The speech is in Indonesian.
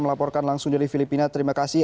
melaporkan langsung dari filipina terima kasih